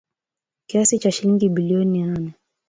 Kiasi cha shilingi bilioni nane.